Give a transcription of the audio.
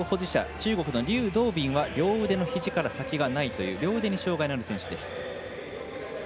中国の劉道敏は両腕のひじから先がないという両腕に障がいのある選手です。